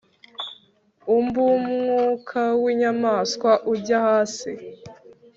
Umb umwuka w inyamaswa ujya hasi